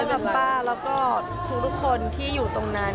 กับป้าแล้วก็ทุกคนที่อยู่ตรงนั้น